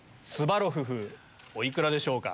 お幾らでしょうか？